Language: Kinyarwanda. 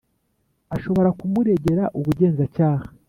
Ashobora kumuregera Ubugenzacyaha.